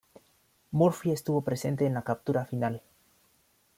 Murphy estuvo presente en la captura final.